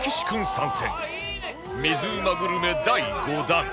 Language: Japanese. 参戦水うまグルメ第５弾